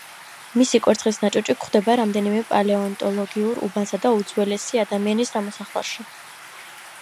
მისი კვერცხის ნაჭუჭი გვხვდება რამდენიმე პალეონტოლოგიურ უბანსა და უძველესი ადამიანის ნამოსახლარში.